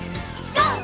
ＧＯ！